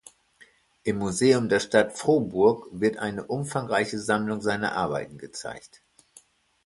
Im Museum der Stadt Frohburg wird eine umfangreiche Sammlung seiner Arbeiten gezeigt.